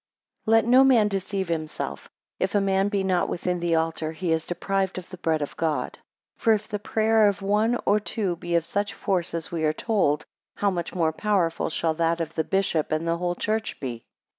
2 Let no man deceive himself; if a man be not within the altar, he is deprived of the bread of God. For if the prayer of one or two be of such force, as we are told; how much more powerful shall that of the bishop and the whole church be?